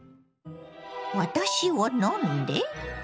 「私をのんで」。